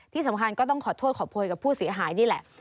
ที่สำคัญก็ต้องขอโทษขอโพยกับผู้เสียหายนี่แหละ